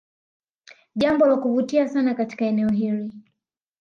Jambo la kuvutia sana katika eneo hili